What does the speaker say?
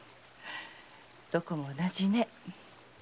どこも同じね。